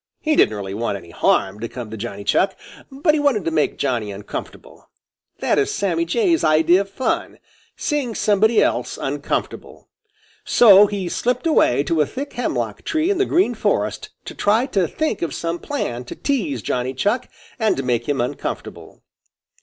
He didn't really want any harm to come to Johnny Chuck, but he wanted to make Johnny uncomfortable. That is Sammy Jay's idea of fun seeing somebody else uncomfortable. So he slipped away to a thick hemlock tree in the Green Forest to try to think of some plan to tease Johnny Chuck and make him uncomfortable.